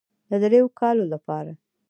د دريو کالو دپاره